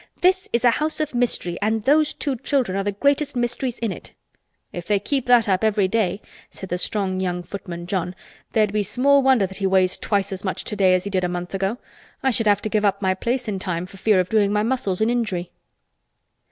"This is a house of mystery, and those two children are the greatest mysteries in it." "If they keep that up every day," said the strong young footman John, "there'd be small wonder that he weighs twice as much today as he did a month ago. I should have to give up my place in time, for fear of doing my muscles an injury."